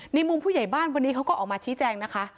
มุมผู้ใหญ่บ้านวันนี้เขาก็ออกมาชี้แจงนะคะ